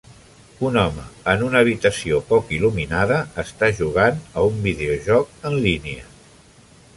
Un home, en una habitació poc il·luminada, està jugant a un videojoc en línia